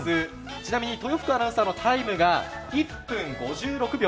ちなみに豊福アナウンサーのタイムが１分５６秒。